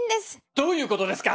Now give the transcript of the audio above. どういうことですか